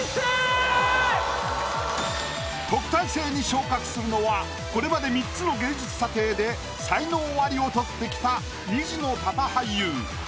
特待生に昇格するのはこれまで３つの芸術査定で才能アリをとってきた。